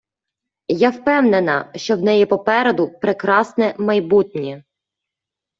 Я впевнена, що в неї попереду прекрасне майбутнє.